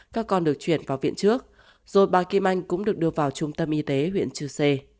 các con được chuyển vào viện trước rồi bà kim anh cũng được đưa vào trung tâm y tế huyện chư sê